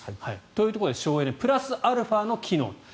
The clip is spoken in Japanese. というところで省エネプラスアルファの機能。